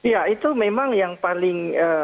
ya itu memang yang paling